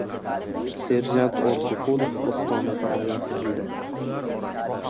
Serjant Orziqulov ostonada oyoq ildi.